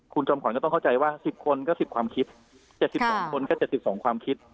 คุณจำขวัญก็ต้องเข้าใจว่าสิบคนก็สิบความคิดเจ็ดสิบสองคนก็เจ็ดสิบสองความคิด